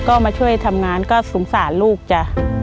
ก็มาช่วยทำงานก็สงสารลูกจ้ะ